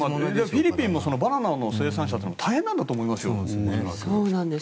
フィリピンもバナナの生産者も大変なんだと思いますよ。